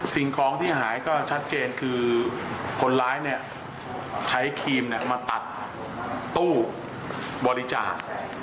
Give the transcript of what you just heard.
สิ่งของที่หายก็ชัดเจนคือคนร้ายใช้ครีมมาตัดตู้บริจาค